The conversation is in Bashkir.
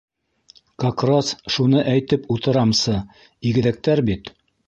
Как рас шуны әйтеп утырамсы: игеҙәктәр бит...